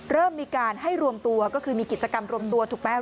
เริ่มมีการให้รวมตัวก็คือมีกิจกรรมรวมตัวถูกไหม